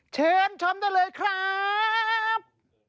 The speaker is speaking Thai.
เชิญชมได้เลยครับ